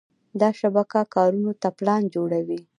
دا شبکه کارونو ته پلان جوړوي.